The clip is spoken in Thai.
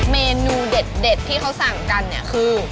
เมนูเด็ดที่เขาสั่งกันคือ